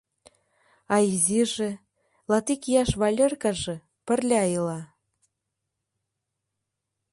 А изиже, латик ияш Валеркаже, пырля ила.